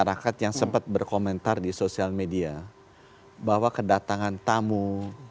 mas banyak masyarakat yang sempat berkomentar di sosial media bahwa kedatangan tamu kedatangan wartawan